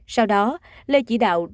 sau đó lê chỉ đạo